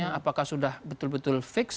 apakah sudah betul betul fix